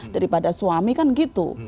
daripada suami kan gitu